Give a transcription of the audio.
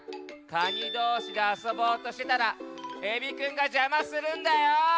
カニどうしであそぼうとしてたらエビくんがじゃまするんだよ！